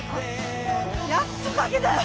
やっとかけたよ！